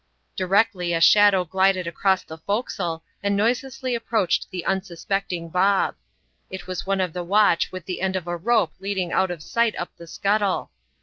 Directly a shadow glided across the forecastle and noiselessly approached the unsuspecting Bob. It was one of the watch with the end of a rope leading out of sight up the scuttle.